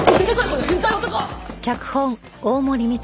この変態男！